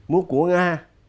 múa của nga